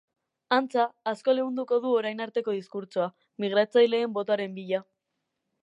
Antza, asko leunduko du orain arteko diskurtsoa, migratzaileen botoaren bila.